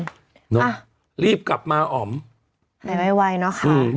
อืมน่ะรีบกลับมาอ๋อมไวไวไวเนอะค่ะอืม